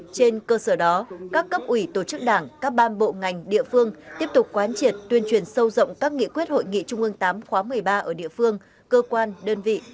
trên cơ sở đó các cấp ủy tổ chức đảng các ban bộ ngành địa phương tiếp tục quán triệt tuyên truyền sâu rộng các nghị quyết hội nghị trung ương viii khóa một mươi ba ở địa phương cơ quan đơn vị